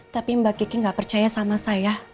tapi mbak kiki gak percaya sama saya